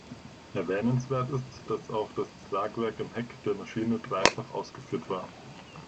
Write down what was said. Erwähnenswert ist, dass auch das Tragwerk im Heck der Maschine dreifach ausgeführt war.